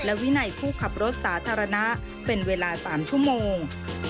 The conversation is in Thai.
และวินัยผู้ขับรถสาธารณะเป็นเวลา๓ชั่วโมง